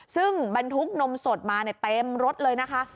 ซึ่งบรรทุกนมสดมาเต็มรถเลยนะคะ